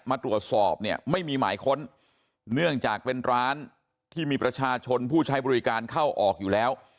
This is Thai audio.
มาตรวจสอบเนี่ยไม่มีหมายค้นเนื่องจากเป็นร้านที่มีประชาชนผู้ใช้บริการเข้าออกอยู่แล้ว